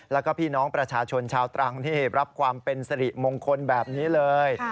แล้วก็พี่น้องประชาชนชาวตรังที่รับความเป็นสริมงคลแบบนี้เลย